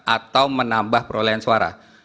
atau menambah perolehan suara